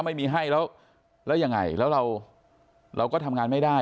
ไม่มีให้แล้วแล้วยังไงแล้วเราก็ทำงานไม่ได้